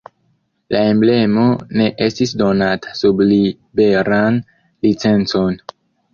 La emblemo ne estis donata sub liberan licencon.